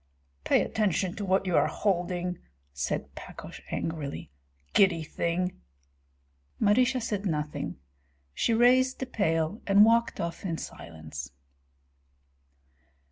"Pay attention to what you are holding!" said Pakosh, angrily. "Giddy thing!" Marysia said nothing; she raised the pail and walked off in silence.